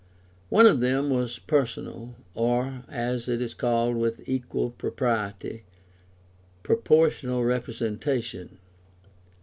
One of them was Personal, or, as it is called with equal propriety, Proportional Representation.